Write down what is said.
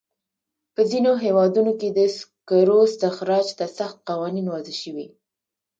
په ځینو هېوادونو کې د سکرو استخراج ته سخت قوانین وضع شوي.